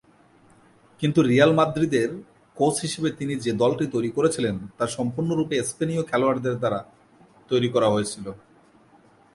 কিন্তু রিয়াল মাদ্রিদের কোচ হিসেবে তিনি যে দলটি তৈরি করেছিলেন তা সম্পূর্ণরূপে স্পেনীয় খেলোয়াড়দের দ্বারা তৈরি করা হয়েছিল।